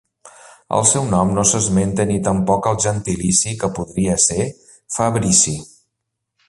El seu nom no s'esmenta ni tampoc el gentilici que podria ser Fabrici.